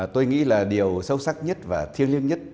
tôi nghĩ là điều sâu sắc nhất và thiêng liêng nhất